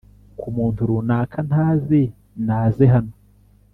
ku muntu runaka ntazi naze hano